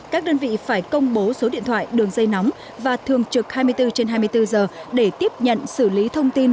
các đơn vị phải công bố số điện thoại đường dây nóng và thường trực hai mươi bốn trên hai mươi bốn giờ để tiếp nhận xử lý thông tin